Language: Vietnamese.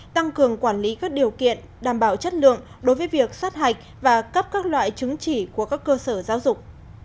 tăng cường quản lý các điều kiện đảm bảo chất lượng đối với việc sát hạch và cấp các loại chứng chỉ của các cơ sở giáo dục